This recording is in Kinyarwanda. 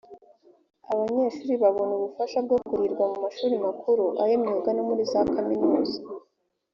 abanyeshuri babona ubufasha bwo kurihirwa mu mashuri makuru ay’imyuga no muri za kaminuza